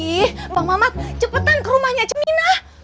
ih bang mamat cepetan ke rumahnya cemina